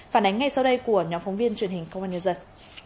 phản ánh ngay sau đây của nhóm phóng viên truyền hình công an nhân dân